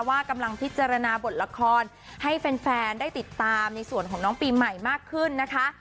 ว่ากำลังพิจารณาบทละครให้แฟนได้ติดตามในส่วนของน้องปีใหม่มากขึ้นนะคะ